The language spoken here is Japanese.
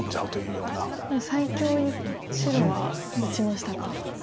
もう最強に白は打ちましたか。